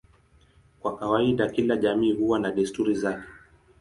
Kwa kawaida kila jamii huwa na desturi zake.